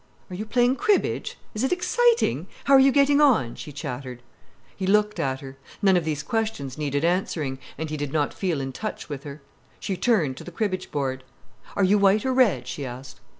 "Are you playing cribbage? Is it exciting? How are you getting on?" she chattered. He looked at her. None of these questions needed answering, and he did not feel in touch with her. She turned to the cribbage board. "Are you white or red?" she asked.